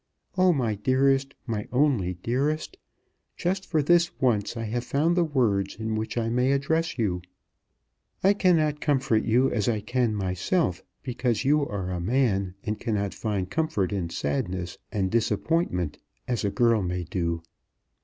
Oh, my dearest, my only dearest, just for this once I have found the words in which I may address you. I cannot comfort you as I can myself, because you are a man, and cannot find comfort in sadness and disappointment, as a girl may do.